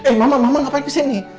eh mama mama ngapain kesini